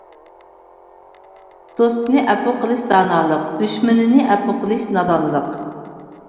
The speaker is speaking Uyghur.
دوستنى ئەپۇ قىلىش دانالىق، دۈشمىنىنى ئەپۇ قىلىش نادانلىق.